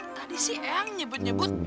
tadi si eng nyebut nyebut